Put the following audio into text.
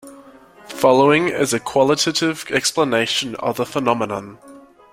Following is a qualitative explanation of the phenomenon.